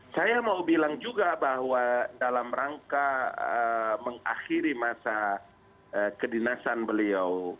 saya mau bilang juga bahwa dalam rangka mengakhiri masa kedinasan beliau